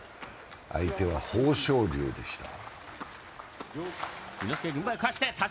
相手は豊昇龍でした。